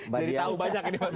jadi tahu banyak ini mbak dia